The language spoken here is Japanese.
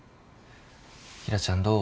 紀來ちゃんどう？